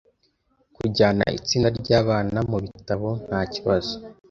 Kujyana itsinda ryabana mubitabo ntakibazo.